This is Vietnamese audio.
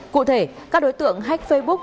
cụ thể các đối tượng hack facebook